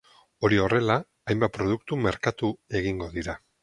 Hori horrela, hainbat produktu merkatu egingo dira.